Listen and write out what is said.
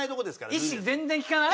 意思全然利かない？